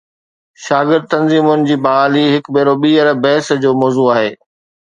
شاگرد تنظيمن جي بحالي هڪ ڀيرو ٻيهر بحث جو موضوع آهي.